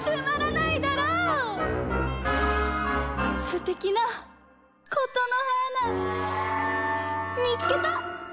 すてきなことのはーなみつけた！